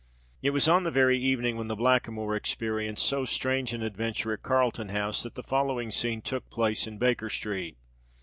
It was on the very evening when the Blackamoor experienced so strange an adventure at Carlton House, that the following scene took place in Baker Street.